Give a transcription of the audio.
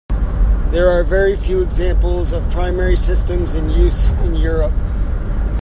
There are very few examples of primary systems in use in Europe.